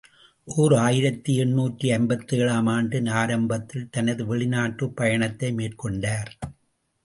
ஓர் ஆயிரத்து எண்ணூற்று ஐம்பத்தேழு ஆம் ஆண்டின் ஆரம்பத்தில் தனது வெளிநாட்டுப் பயணத்தை மேற்கொண்டார்.